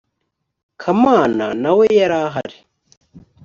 kamana nawe yarahari